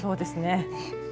そうですね。